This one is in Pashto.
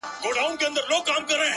o سپوږمۍ هغې ته په زاریو ویل ،